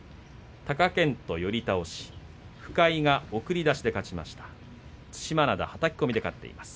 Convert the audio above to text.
貴健斗、寄り倒し深井が送り出しで勝ちました。